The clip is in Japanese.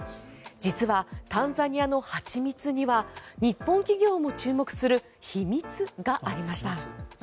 実は、タンザニアの蜂蜜には日本企業も注目する秘密がありました。